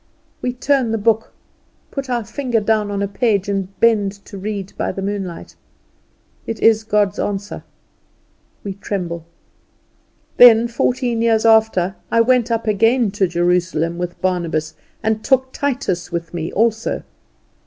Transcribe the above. We turn the book, put our finger down on a page, and bend to read by the moonlight. It is God's answer. We tremble. "Then fourteen years after I went up again to Jerusalem with Barnabas, and took Titus with me also."